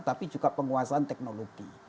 tapi juga penguasaan teknologi